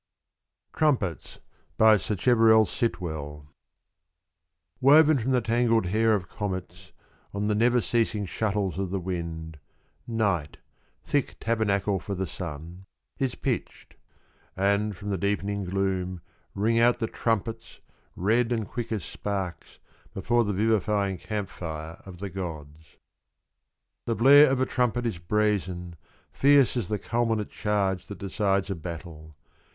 49 D SACHEREVELL SITWELL. TRUMPETS. WOVEN from the tangled hair of comets On the never ceasing shuttles of the wind, Night, thick Tabernacle for the sun, is pitched ; And from the deepening gloom Ring out the trumpets Red and quick as sparks Before the vivifying camp fire of the Gods. The blare of a Trumpet is brazen, fierce As the culminate charge that decides a battle.